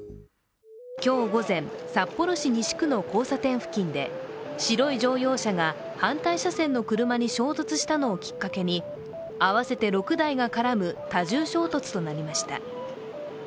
今日午前、札幌市西区の交差点付近で白い乗用車が反対車線の車に衝突したのをきっかけに、合わせて６台が絡む多重衝突となりました。